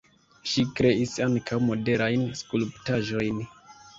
Ŝi kreis ankaŭ modernajn skulptaĵojn.